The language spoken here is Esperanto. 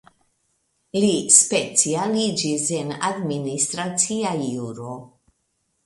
Li specialiĝis en Administracia Juro.